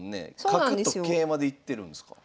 角と桂馬でいってるんですか？